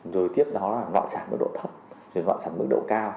rồi tiếp đó là loạn sản mức độ thấp rồi loạn sản mức độ cao